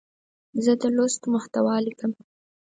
زه د لوست محتوا لیکم.